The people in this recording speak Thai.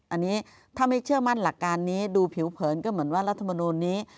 อันนี้ถ้าไม่เชื่อมั่นหลักการนี้ดูผิวเผินก็เหมือนว่ารัฐมนูลนี้